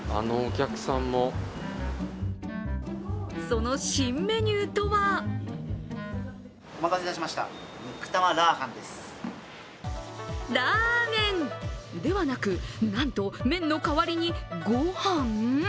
その新メニューとはラーメンではなく、なんと麺の代わりにご飯？